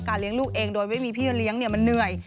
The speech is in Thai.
เลี้ยงลูกเองโดยไม่มีพี่เลี้ยงมันเหนื่อย